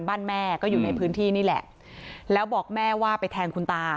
แม่ก็อยู่ในพื้นที่นี่แหละแล้วบอกแม่ว่าไปแทงคุณตา